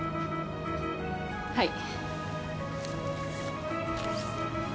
はい。